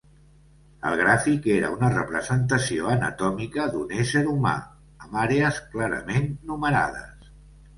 El gràfic era una representació anatòmica d'un ésser humà, amb àrees clarament numerades.